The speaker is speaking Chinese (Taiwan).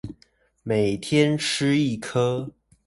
每天吃一顆